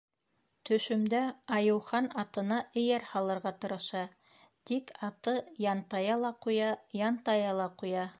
Төшөмдә Айыухан атына эйәр һалырға тырыша, тик аты янтая ла ҡуя, янтая ла ҡуя.